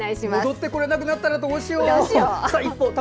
戻ってこれなくなったらどうしよう！